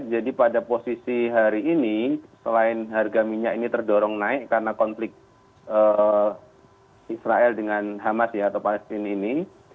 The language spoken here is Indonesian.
jadi pada posisi hari ini selain harga minyak ini terdorong naik karena konflik israel dengan hamas ya atau palestina ini